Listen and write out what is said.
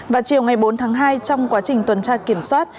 vào chiều ngày bốn tháng hai trong quá trình tuần tra kiểm soát